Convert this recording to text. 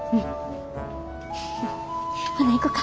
ほな行こか。